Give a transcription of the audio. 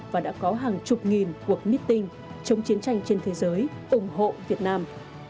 và đã có hàng chục nghìn cuộc meeting chống chiến tranh trên thế giới ủng hộ việt nam